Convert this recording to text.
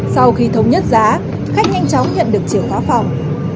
sau khi thống nhất giá khách nhanh chóng nhận được chìa khóa phòng